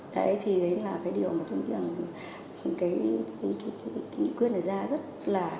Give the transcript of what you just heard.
thế thì đấy là cái điều mà tôi nghĩ là cái nghị quyết này ra rất là